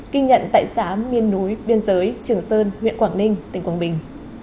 kinh nhận tại xã miên núi biên giới trường sơn huyện quảng ninh tỉnh quang bình